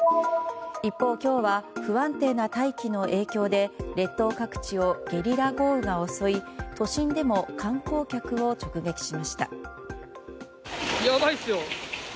一方、今日は不安定な大気の影響で列島各地をゲリラ豪雨が襲い都心でも観光客を直撃しました。